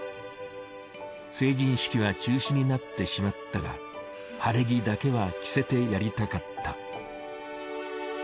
成人式は中止になってしまったが晴れ着だけは着せてやりたかった。